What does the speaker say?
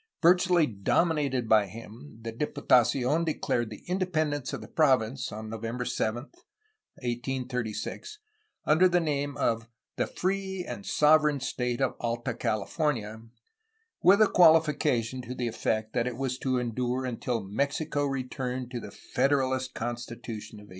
Virtually dominated by him the Diputacion declared the independence of the province (on November 7, 1836) under the name of ^Hhe free and sovereign state of Alta California,^' with a qualification to the effect that it was to endure until Mexico returned to the federalist constitution of 1824.